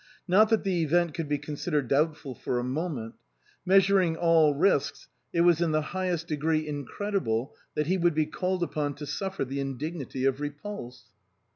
Not that the event could be con sidered doubtful for a moment. Measuring all risks, it was in the highest degree incredible that he would be called upon to suffer the indignity of repulse.